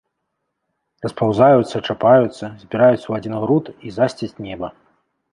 Распаўзаюцца, чапаюцца, збіраюцца ў адзін груд і засцяць неба.